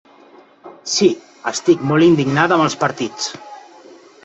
Sí, estic molt indignada amb els partits.